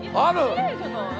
きれいじゃない？